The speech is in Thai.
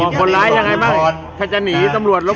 พอได้ครับพอได้ครับพอได้ครับพอได้ครับพอได้ครับพอได้ครับ